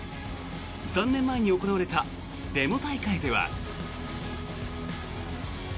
３年前に行われたデモ大会では。